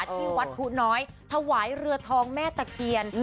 ที่วัดผู้น้อยถวายเรือทองแม่ตะเคียน